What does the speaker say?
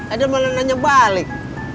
eh dia malah nanya balik